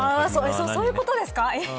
そういうことですか。